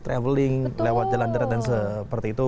traveling lewat jalan darat dan seperti itu